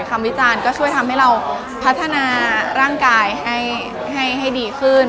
วิจารณ์ก็ช่วยทำให้เราพัฒนาร่างกายให้ดีขึ้น